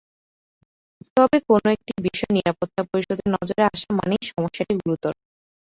তবে কোনো একটি বিষয় নিরাপত্তা পরিষদের নজরে আসা মানেই সমস্যাটি গুরুতর।